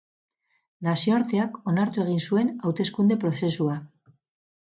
Nazioarteak onartu egin zuen hauteskunde prozesua.